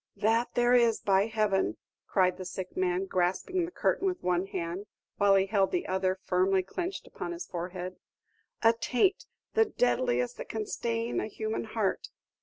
"That there is, by Heaven!" cried the sick man, grasping the curtain with one hand, while he held the other firmly clenched upon his forehead, "a taint, the deadliest that can stain a human heart!